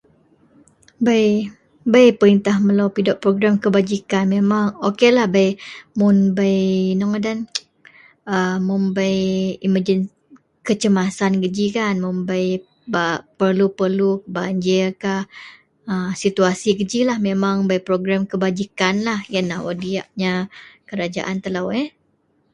Bei bei peritah melo pidok progrem kebajikan memeng okaylah bei mun bei ino ngadan a mun bei imeji kecemasan gejikan mun bei bak perlu-perlu banjirkah a situasi geji lah memeng bei progrem kebajikanah iyenlah wak diyaknya kerajaan telo.